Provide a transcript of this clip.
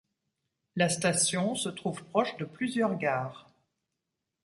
La station se trouve proche de plusieurs gares.